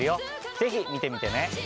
ぜひ見てみてね。